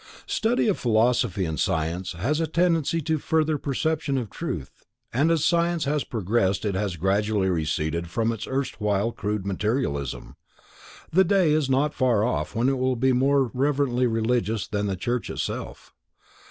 Study of philosophy and science has a tendency to further perception of truth, and as science has progressed it has gradually receded from its erstwhile crude materialism. The day is not far off when it will be more reverently religious than the church itself.